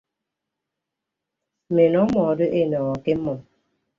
Mme enọ mmọdo enọọho ke mmʌm.